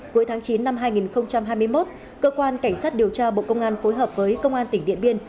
cuối tháng chín năm hai nghìn hai mươi một cơ quan cảnh sát điều tra bộ công an phối hợp với công an tỉnh điện biên